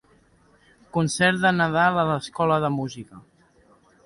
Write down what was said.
Concert de Nadal l'escola de música.